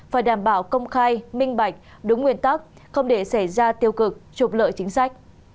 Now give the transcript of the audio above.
phải đảm bảo công khai minh bạch đúng nguyên tắc không để xảy ra tiêu cực trục lợi chính sách